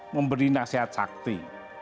memberi nasihat sakti